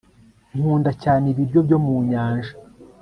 nkunda cyane ibiryo byo mu nyanja